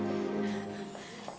saat ya ke cepat